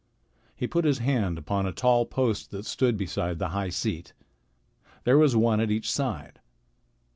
He put his hand upon a tall post that stood beside the high seat. There was one at each side.